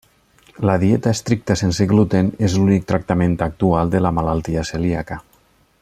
La dieta estricta sense gluten és l'únic tractament actual de la malaltia celíaca.